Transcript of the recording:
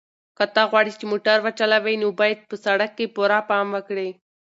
که ته غواړې چې موټر وچلوې نو باید په سړک کې پوره پام وکړې.